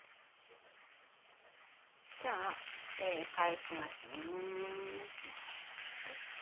じゃあ返しますね。